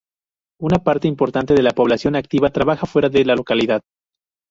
Una parte importante de la población activa trabaja fuera de la localidad.